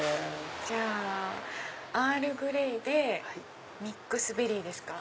じゃあアールグレイでミックスベリーですか。